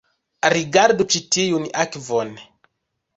Rigardu ĉi tiun akvon